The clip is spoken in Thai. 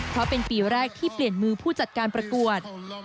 เพราะเป็นปีแรกที่เปลี่ยนมือผู้จัดการประกวด